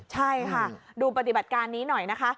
ใช่ค่ะดูปฏิบัติการนี้หน่อยนะคะ